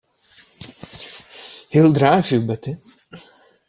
He'll drive you batty!